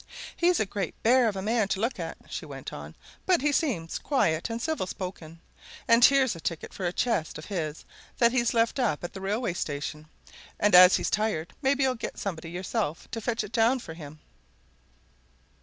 "He's a great bear of a man to look at," she went on, "but he seems quiet and civil spoken. And here's a ticket for a chest of his that he's left up at the railway station, and as he's tired, maybe you'll get somebody yourself to fetch it down for him?"